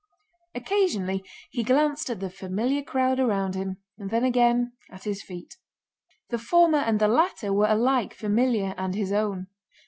Occasionally he glanced at the familiar crowd around him and then again at his feet. The former and the latter were alike familiar and his own.